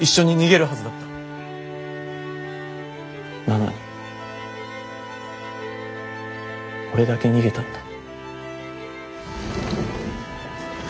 なのに俺だけ逃げたんだ。